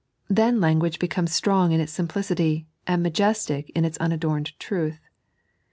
Then language becomes strong in itB simplicity, and majestic in its unadorned truth.